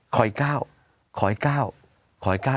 คอยก้าวคอยก้าวคอยก้าว